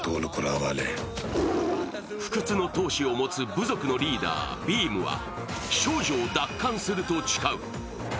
不屈の闘志を持つ部族のリーダー・ビームは少女を奪還すると誓う。